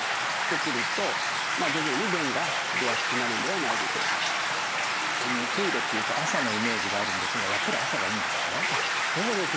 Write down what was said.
それがこうあのトイレっていうと朝のイメージがあるんですがやっぱり朝がいいんですか？